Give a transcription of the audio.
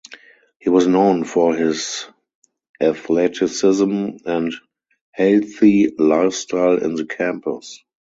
He was known for his athleticism and healthy lifestyle in the campus.